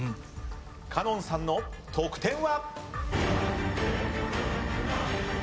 香音さんの得点は？